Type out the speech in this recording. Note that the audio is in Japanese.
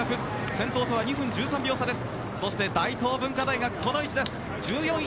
先頭とは２分２８秒差です。